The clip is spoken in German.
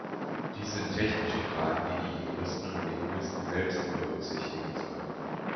Dies sind technische Fragen, die die Juristen und Linguisten selbst berücksichtigen sollten.